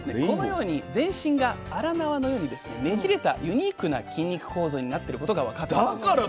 このように全身が荒縄のようにねじれたユニークな筋肉構造になってることが分かったんです。